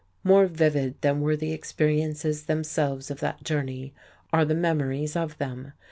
More vivid than were the experiences themselves of that journey are the memories of them.